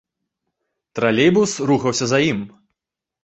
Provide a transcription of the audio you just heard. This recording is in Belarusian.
Тралейбус рухаўся за ім.